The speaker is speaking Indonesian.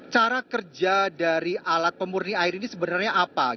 cara kerja dari alat pemurni air ini sebenarnya apa